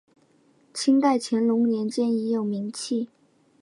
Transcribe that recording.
清代乾隆年间已有名气。